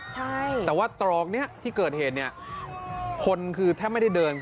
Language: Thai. ใช่แต่ว่าตรอกนี้ที่เกิดเหตุเนี่ยคนคือแทบไม่ได้เดิน